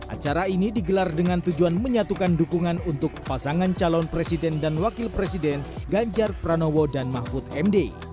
acara ini digelar dengan tujuan menyatukan dukungan untuk pasangan calon presiden dan wakil presiden ganjar pranowo dan mahfud md